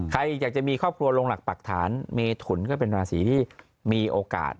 ใครอยากจะมีครอบครัวลงหลักปรักฐานเมถุนก็เป็นราศีที่มีโอกาส